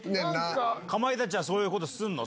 かまいたちは、そういうことすんの？